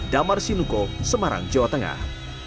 damar sinuko semarang jawa tengah